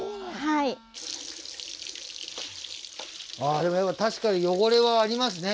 あでもやっぱ確かに汚れはありますね。